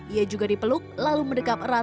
ia juga dipeluk lalu mendekap erat